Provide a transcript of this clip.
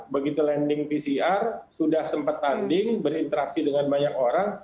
begitu landing pcr sudah sempat tanding berinteraksi dengan banyak orang